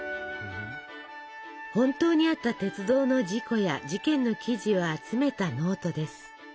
本当にあった鉄道の事故や事件の記事を集めたノートです。